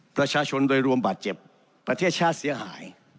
ประชาชนโดยรวมบาดเจ็บประเทศชาติเสียหาย